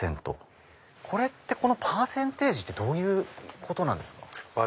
このパーセンテージってどういうことなんですか？